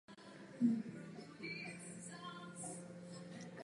Na levém kraji obrany se měl nově představit Andrew Robertson.